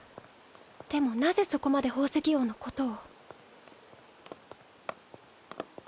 でもなぜそこまで宝石王のことを？